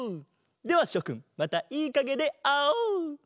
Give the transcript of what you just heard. ではしょくんまたいいかげであおう！